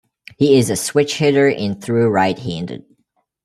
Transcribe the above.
He is a switch-hitter and threw right-handed.